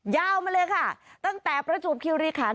ยาวมาเลยค่ะตั้งแต่ประจวบคิวรีคัน